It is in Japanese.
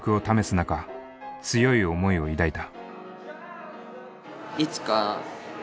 中強い思いを抱いた。